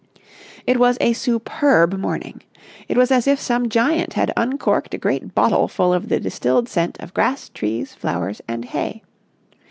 It was a superb morning. It was as if some giant had uncorked a great bottle full of the distilled scent of grass, trees, flowers, and hay.